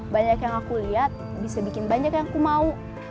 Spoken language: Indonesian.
banyak yang aku lihat bisa bikin banyak yang ku mau